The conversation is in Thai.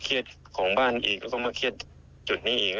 เครียดของบ้านอีกก็มาเครียดจุดนี้อีก